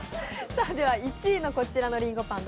１位のこちらのりんごパン